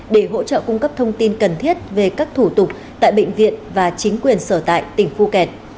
để hỗ trợ cung cấp thông tin cần thiết về các thủ tục tại bệnh viện và chính quyền sở tại tỉnh phu kẹt